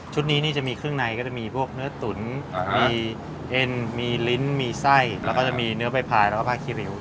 นี้นี่จะมีเครื่องในก็จะมีพวกเนื้อตุ๋นมีเอ็นมีลิ้นมีไส้แล้วก็จะมีเนื้อใบพายแล้วก็ผ้าคิริว